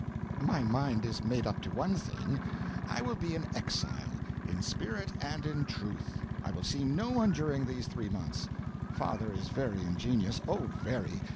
My mind is made up to one thing: I will be an exile, in spirit and in truth: I will see no one during these three months. Father is very ingenious oh, very!